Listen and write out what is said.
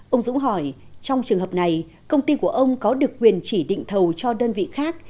ông dũng hỏi trong trường hợp này công ty của ông có được quyền chỉ định thầu cho đơn vị khác